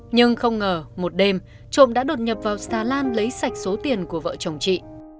nhưng không ngờ một đêm trộm đã đột nhập vào xà lan lấy sạch số tiền của vợ chồng chị